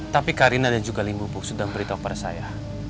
tapi karina dan juga limbu bubu sudah beritahu pada saya